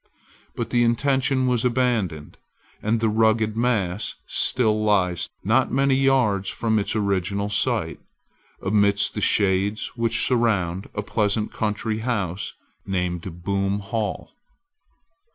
But the intention was abandoned, and the rugged mass still lies, not many yards from its original site, amidst the shades which surround a pleasant country house named Boom Hall.